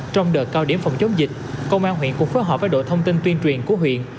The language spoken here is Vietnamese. trong đợt cao điểm phòng chống dịch công an huyện cũng phối hợp với đội thông tin tuyên truyền của huyện